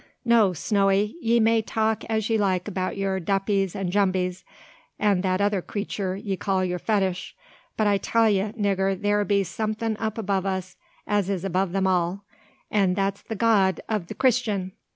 No, Snowy! ye may talk as ye like 'bout your Duppys and Jumbes, and that other creetur ye call your Fetush; but I tell ye, nigger, thear be somethin' up above us as is above all them, an' that's the God o' the Christyun.